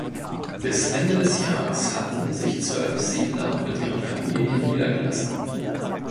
Bis Ende des Jahres hatten sich zwölf Siedler mit ihren Familien niedergelassen.